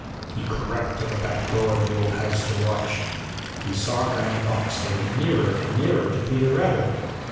He crept to the back door of the old house to watch. He saw Granny Fox getting nearer and nearer to Peter Rabbit.